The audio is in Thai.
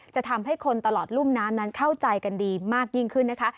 จะทำให้คนตลอดรุ่มน้ำนั้นเข้าใจกันดีมากยิ่งขึ้นนะคะ